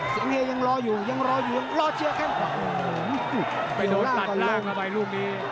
เสียงเฮยังรออยู่ยังรออยู่ยังรอเชียวแค่ไปโดดตัดล่างเข้าไปลูกนี้